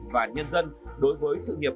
và nhân dân đối với sự nghiệp